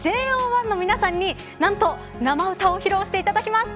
ＪＯ１の皆さんに何と生歌を披露していただきます。